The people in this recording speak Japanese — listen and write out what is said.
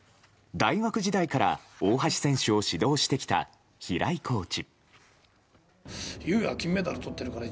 大学時代から大橋選手を指導してきた平井コーチ。